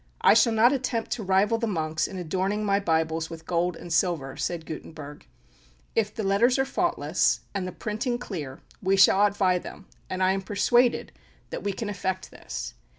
"I shall not attempt to rival the monks in adorning my Bibles with gold and silver," said Gutenberg; "if the letters are faultless, and the printing clear, we shall outvie them, and I am persuaded that we can effect this.